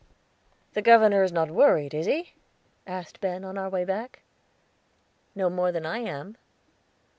"The governor is not worried, is he?" asked Ben, on our way back. "No more than I am."